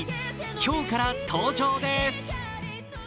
今日から登場です！